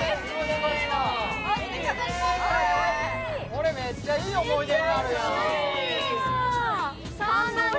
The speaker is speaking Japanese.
これめっちゃいい思い出になるやん。